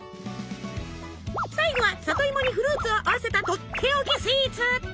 最後は里芋にフルーツを合わせたとっておきスイーツ。